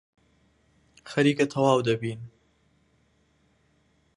خەریکە تەواو دەبین.